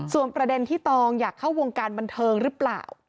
ส่วนประเด็นที่ตองอยากเข้าวงการบันเทิงหรือเปล่า